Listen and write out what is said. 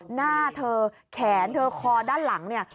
หน้าเธอแขนเธอคอด้านหลังเนี่ย